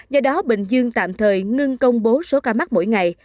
do đó bình dương tạm thời ngưng công bố số ca mắc mỗi ngày